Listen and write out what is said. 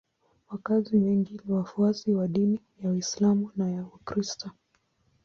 Wakazi wengi ni wafuasi wa dini ya Uislamu na ya Ukristo.